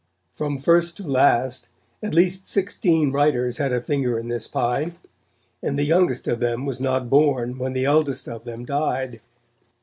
From first to last, at least sixteen writers had a finger in this pie, and the youngest of them was not born when the eldest of them died.